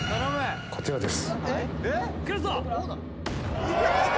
こちらです